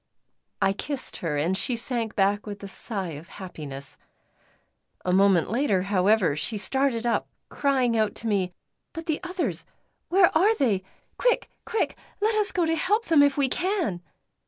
I kissed her, and she sank back with a sigh of happiness. A moment later, however, she started up, crying out to me: "But the others, where are they? Quick! quick! let us go to help them if we can!"